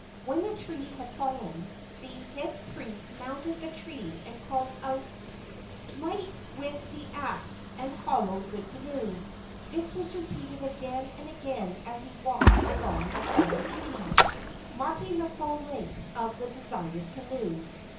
When the tree had fallen, the head priest mounted the trunk and called out, 'Smite with the axe, and hollow the canoe.' This was repeated again and again as he walked along the fallen tree, marking the full length of the desired canoe."